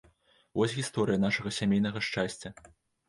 Вось гісторыя нашага сямейнага шчасця.